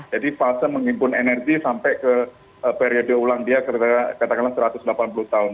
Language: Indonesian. jadi fase mengimpun energi sampai ke periode ulang dia kata kata satu ratus delapan puluh tahun